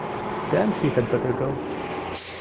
Then she had better go.